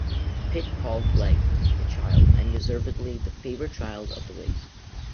Pitt called Legge, the child, and deservedly the favourite child, of the Whigs.